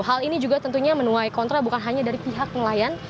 hal ini juga tentunya menuai kontra bukan hanya dari pihak nelayan